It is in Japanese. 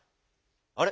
あれ？